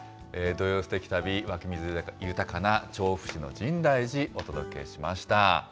土曜すてき旅、湧き水豊かな調布市の深大寺、お届けしました。